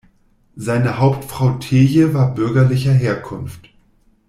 Seine Hauptfrau Teje war „bürgerlicher“ Herkunft.